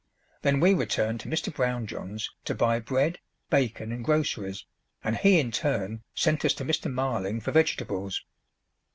Then we returned to Mr. Brownjohn's to buy bread, bacon, and groceries, and he in turn sent us to Mr. Marling for vegetables.